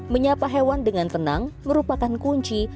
menyapa hewan dengan tenang merupakan kunci